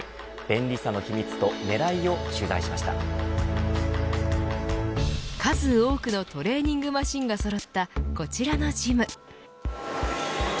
便利さの秘密と狙いを数多くのトレーニングマシンがそろったこちらのジム。